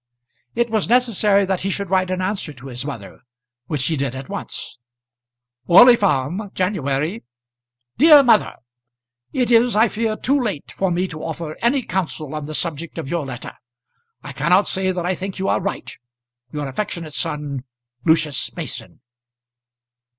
It was necessary that he should write an answer to his mother, which he did at once. Orley Farm, January. DEAR MOTHER, It is I fear too late for me to offer any counsel on the subject of your letter. I cannot say that I think you are right. Your affectionate son, LUCIUS MASON.